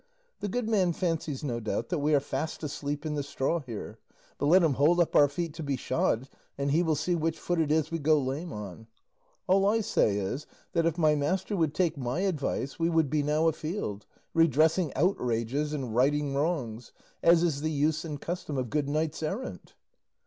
The good man fancies, no doubt, that we are fast asleep in the straw here, but let him hold up our feet to be shod and he will see which foot it is we go lame on. All I say is, that if my master would take my advice, we would be now afield, redressing outrages and righting wrongs, as is the use and custom of good knights errant."